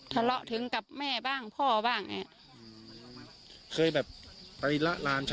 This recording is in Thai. ทะเลาะถึงกับแม่บ้างพ่อบ้างเนี่ย